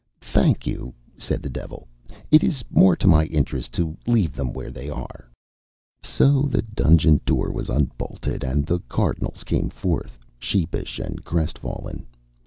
"Thank you," said the Devil. "It is more to my interest to leave them where they are." So the dungeon door was unbolted, and the Cardinals came forth, sheepish and crestfallen.